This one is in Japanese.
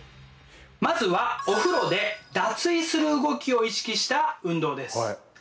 まずはお風呂で脱衣する動きを意識した運動です。